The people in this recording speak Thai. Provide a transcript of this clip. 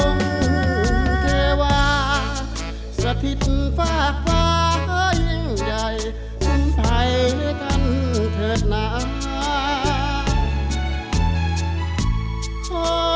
โอ้อมเทวาสถิตฟากฟ้ายิ่งใหญ่คุณไทยกันเถิดหนา